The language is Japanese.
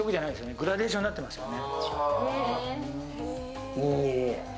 グラデーションになってますよね。